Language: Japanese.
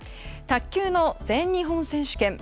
卓球の全日本選手権。